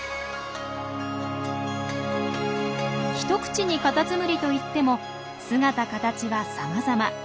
一口にカタツムリといっても姿かたちはさまざま。